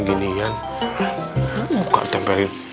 ini muka ditempelin